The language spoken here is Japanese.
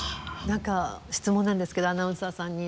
何か質問なんですけどアナウンサーさんに。